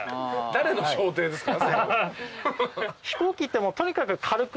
誰の掌底ですか？